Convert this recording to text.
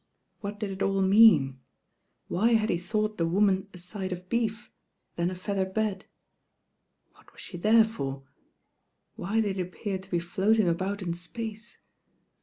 What did it all mean? Why had he thought the woman a side of beef, then a feather bed? What was she there for? Why did he appear to be floating about in space?